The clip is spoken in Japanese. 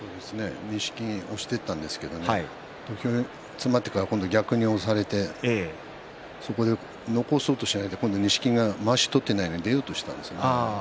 錦木押していったんですけれども詰まって逆に押されてそこで残そうとしないで錦木がまわしを取っていないのに出ようとしたんです。